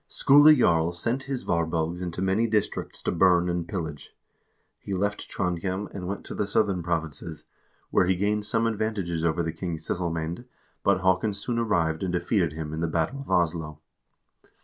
1 Skule Jarl sent his Varbelgs into many districts to burn and pillage. He left Trondhjem, and went to the southern provinces, where he gained some advantages over the king's sysselmamd, but Haakon soon arrived and defeated him in the battle of Oslo.